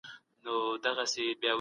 له شامته چی یې زرکي دام ته تللې